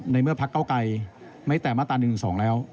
ในเมื่อพักเก้าไกรไม่แต่มาตรา๑๑๒แล้ว